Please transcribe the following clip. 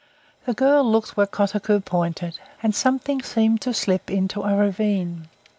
The girl looked where Kotuko pointed, and something seemed to slip into a ravine.